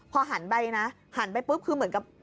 พอหันไปนะหันไปปุ๊บคือเหมือนกับ